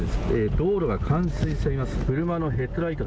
道路が冠水しています。